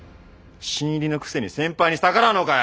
新入りのくせに先輩に逆らうのかよ！